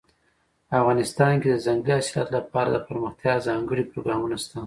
افغانستان کې د ځنګلي حاصلاتو لپاره دپرمختیا ځانګړي پروګرامونه شته.